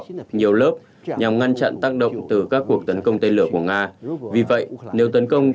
chiến đấu lớp nhằm ngăn chặn tác động từ các cuộc tấn công tên lửa của nga vì vậy nếu tấn công